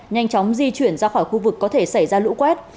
nhanh chóng di chuyển ra khỏi khu vực có thể xảy ra lũ quét